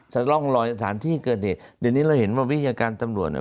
๒จะร่องรอยสถานที่เกิดเหตุเดี๋ยวนี้เราเห็นวิทยาการตำรวจนะ